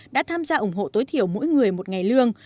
đã tham gia ủng hộ tối thiểu mỗi người một ngày lương